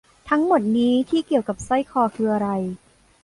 ทั้งหมดนี้ที่เกี่ยวกับสร้อยคอคืออะไร